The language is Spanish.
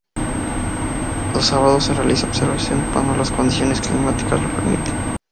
Los sábados se realiza observación cuando las condiciones climáticas lo permiten.